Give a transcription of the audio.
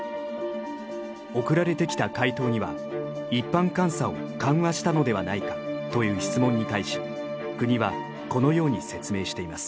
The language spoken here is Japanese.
送られてきた回答には一般監査を緩和したのではないかという質問に対し国はこのように説明しています。